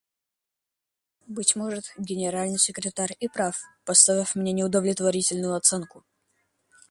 Быть может, Генеральный секретарь и прав, поставив мне неудовлетворительную оценку.